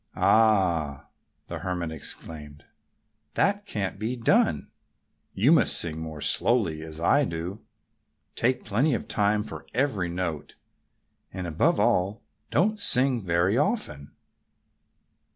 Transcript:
"Ah!" the Hermit exclaimed. "That can't be done. You must sing more slowly, as I do. Take plenty of time for every note. And above all, don't sing very often!"